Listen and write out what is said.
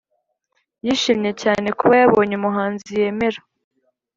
yishimye cyane kuba yabonye umuhanzi yemera